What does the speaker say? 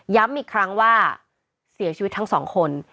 ย้ำอีกครั้งว่าเสียชีวิตทั้ง๒คน